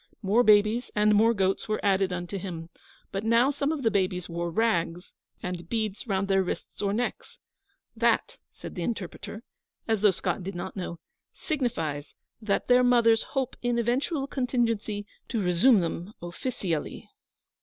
More babies and more goats were added unto him; but now some of the babies wore rags, and beads round their wrists or necks. 'That,' said the interpreter, as though Scott did not know, 'signifies that their mothers hope in eventual contingency to resume them offeecially.'